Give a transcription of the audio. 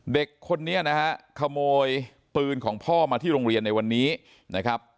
เด็กคนนี้นะฮะขโมยปืนของพ่อมาที่โรงเรียนในวันนี้นะครับ